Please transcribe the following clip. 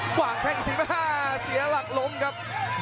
ขวางแข้งอีกทีแม่เสียหลักล้มครับ